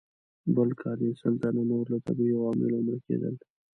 بل کال یې سل تنه نور له طبیعي عواملو مړه کېدل.